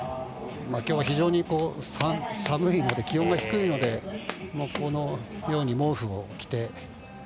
きょう、非常に寒いので気温が低いのでこのように毛布を着て。